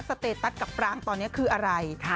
สเตตัสกับปรางตอนนี้คืออะไร